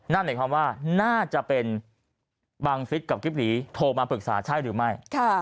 นั่นหมายความว่าน่าจะเป็นบังฟิศกับกิ๊บหลีโทรมาปรึกษาใช่หรือไม่